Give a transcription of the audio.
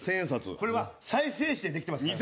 これは再生紙でできてますからね。